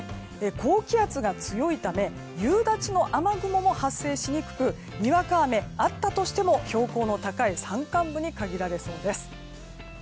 高気圧が強いため夕立の雨雲も発生しにくくにわか雨があったとしても標高の高い山間部に限られそうです。